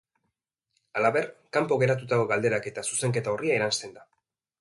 Halaber, kanpo geratutako galderak eta zuzenketa orria eransten da.